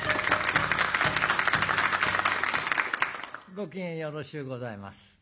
ご機嫌よろしゅうございます。